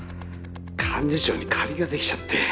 幹事長に借りが出来ちゃって。